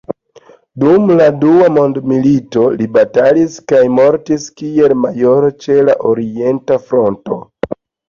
Dum la dua mondmilito li batalis kaj mortis kiel majoro ĉe la orienta fronto.